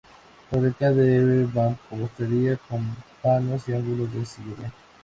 Fábrica de mampostería, con vanos y ángulos en sillería.